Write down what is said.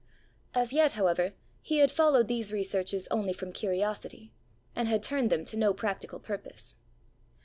As yet, however, he had followed these researches only from curiosity, and had turned them to no practical purpose.